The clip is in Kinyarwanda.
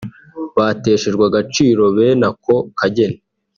Bateshejwe agaciro bene ako kageni